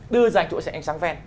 đưa ra chỗ xe ánh sáng ven